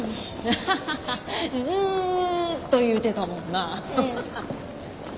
あはははずっと言うてたもんな。